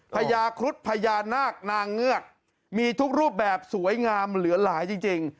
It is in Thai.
พญาครุฑพญานาคนางเงือกมีทุกรูปแบบสวยงามเหลือหลายจริง